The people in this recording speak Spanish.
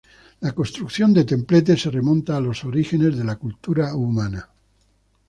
La construcción de templetes se remonta a los orígenes de la cultura humana.